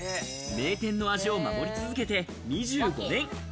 名店の味を守り続けて２５年。